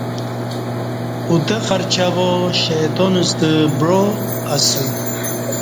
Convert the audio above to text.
اوتہ خرچہ وا شیطان ستہ بعا اسہ